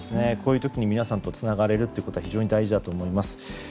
こういう時に皆さんとつながれることは非常に大事だと思います。